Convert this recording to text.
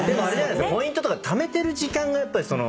ポイントとかためてる時間がやっぱり。